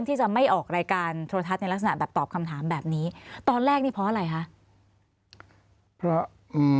ในลักษณะแบบตอบคำถามแบบนี้ตอนแรกนี่เพราะอะไรฮะ